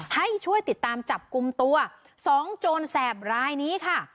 ให้ช่วยติดตามจับกลุ่มตัว๒โจรแสบรายนี้ค่ะ